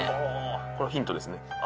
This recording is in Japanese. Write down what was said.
これはヒントですね。